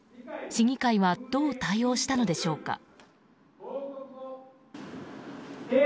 市議会はどう対応したのでしょうか。